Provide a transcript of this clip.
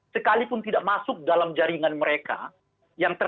sekalipun tidak masuk ke dalam kondisi politik identitas mereka akan menolak politik identitas